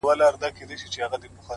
زموږ مېږیانو هم زلمي هم ماشومان مري.!